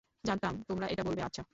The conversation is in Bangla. জানতাম, তোমরা এটা বলবে, আচ্ছা।